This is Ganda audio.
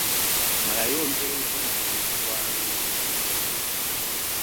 Malayo olugero luno mu butuufu bwalwo.